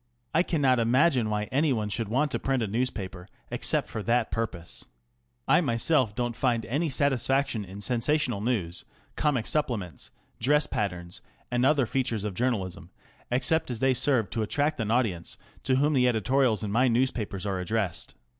I cannot imagine why anyone should want to print a newspaper except for that purpose. I myself don't find any satisfaction in sensational news, comic supplements, dress patterns, and other features of journalism, except as they serve to attract an audience to whom the editorials in my newspapers are addressed.